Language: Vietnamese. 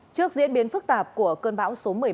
trước diễn biến phức tạp của cơn bão số một mươi ba